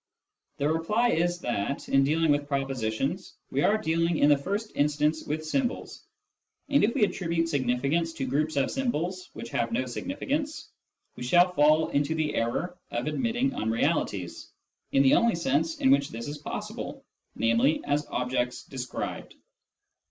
The reply is that, in dealing with propositions, we are dealing in the first instance with symbols, and if we attribute significance to groups of symbols which have no significance, we shall fall into the error of admitting unrealities, in the only sense in which this is possible, namely, as objects described.